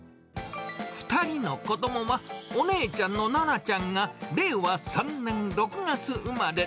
２人の子どもはお姉ちゃんのななちゃんが令和３年６月生まれ。